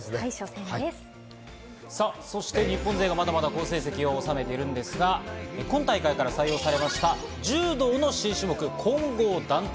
そして日本勢、まだまだ好成績を収めているんですが、今回から始まった柔道混合団体。